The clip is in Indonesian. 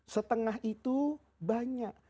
setengah itu banyak